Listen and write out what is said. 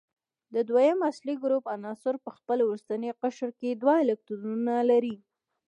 د دویم اصلي ګروپ عناصر په خپل وروستي قشر کې دوه الکترونونه لري.